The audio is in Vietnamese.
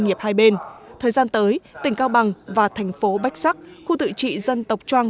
nghiệp hai bên thời gian tới tỉnh cao bằng và thành phố bách sắc khu tự trị dân tộc trang